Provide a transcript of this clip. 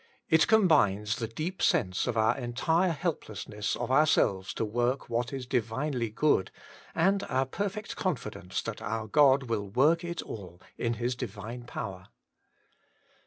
It combines the deep sense of our entire helplessness of ourselves to work what is divinely good, and our perfect WAITING ON GOD I 23 confidence that our God will work it all in His divine power.